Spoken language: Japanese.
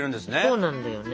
そうなんだよね。